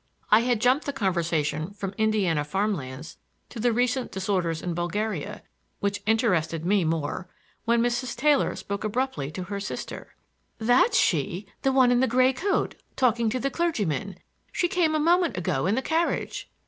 I had jumped the conversation from Indiana farm lands to the recent disorders in Bulgaria, which interested me more, when Mrs. Taylor spoke abruptly to her sister. "That's she—the one in the gray coat, talking to the clergyman. She came a moment ago in the carriage."